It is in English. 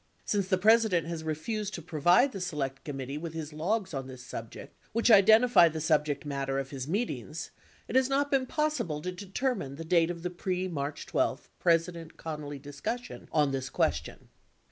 Since the President has refused to provide the Select Com mittee with his logs on this subject (which identify the subject matter of his meetings) , it has not been possible to determine the date of the pre March 12 President Connally discussion on this question.